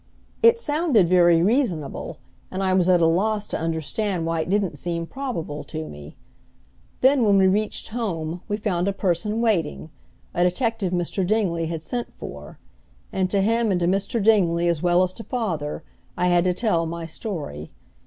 It sounded very reasonable, and I was at a loss to understand why it didn't seem probable to me. Then, when we reached home, we found a person waiting a detective Mr. Dingley had sent for and to him and to Mr. Dingley as well as to father, I had to tell my story.